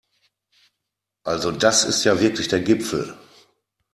Also das ist ja wirklich der Gipfel!